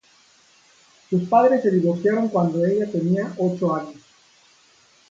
Sus padres se divorciaron cuando ella tenía ocho años.